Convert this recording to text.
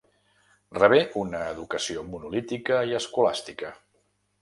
Rebé una educació monolítica i escolàstica.